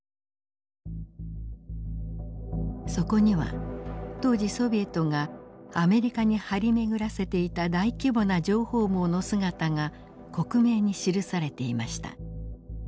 そこには当時ソビエトがアメリカに張り巡らせていた大規模な情報網の姿が克明に記されていました。